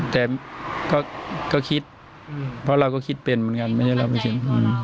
แต่ก็คิดเพราะเราก็คิดเป็นเหมือนกันไม่ใช่เราไม่คิด